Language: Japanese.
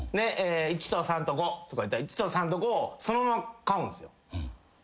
で「１と３と５」とか言ったら１と３と５をそのまま買うんすよ。